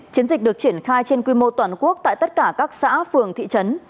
chiến dịch được triển khai trên quy mô toàn quốc tại tất cả các xã phường thị trấn